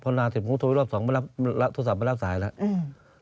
พอนานเสร็จปุ๊บโทรไปรอบสองไม่รับโทรศัพท์ไม่รับสายแล้วอืม